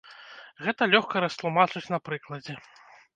Гэта лёгка растлумачыць на прыкладзе.